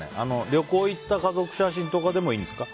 旅行行った家族写真とかでもいいんですか？